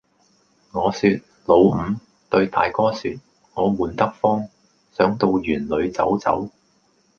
我説「老五，對大哥説，我悶得慌，想到園裏走走。」